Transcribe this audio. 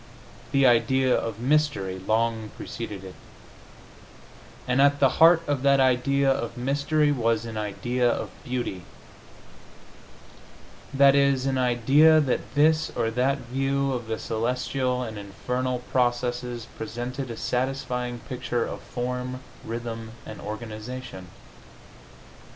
The idea of mystery long preceded it, and at the heart of that idea of mystery was an idea of beauty that is, an idea that this or that view of the celestial and infernal process presented a satisfying picture of form, rhythm and organization.